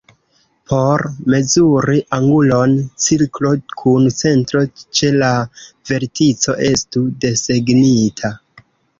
Por mezuri angulon, cirklo kun centro ĉe la vertico estu desegnita.